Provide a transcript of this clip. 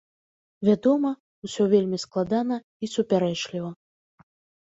Вядома, усё вельмі складана і супярэчліва.